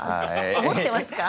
思ってますか？